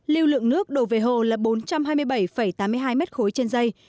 lưu lượng nước đổ về hồ là bốn trăm hai mươi bảy tám mươi hai mét khối trên dây